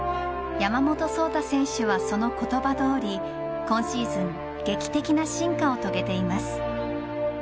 山本草太選手はその言葉どおり今シーズン劇的な進化を遂げています。